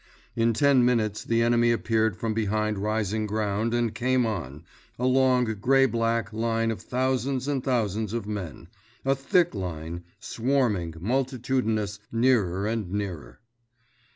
In ten minutes the enemy appeared from behind rising ground and came on—a long, gray black line of thousands and thousands of men, a thick line, swarming, multitudinous, nearer and nearer.